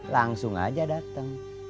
langsung aja dateng